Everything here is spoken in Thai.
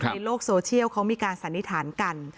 ในโลกโซเชียลเขามีการสันนิษฐานกัน